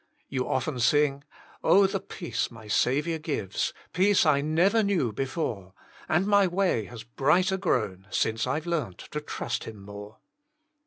You often sing: —Oh ! the pea<;e my Savlonr gives I Peace I never knew before, And my way has brighter grown, Since I 've learnt to trust Him more."